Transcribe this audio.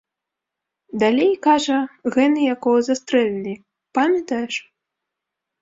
Далей, кажа, гэны, якога застрэлілі, памятаеш?